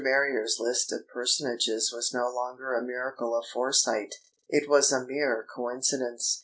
Marrier's list of personages was no longer a miracle of foresight; it was a mere coincidence.